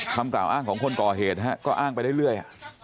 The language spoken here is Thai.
คำกล่าวอ้างของคนก่อเหตุก็อ้างไปเรื่อย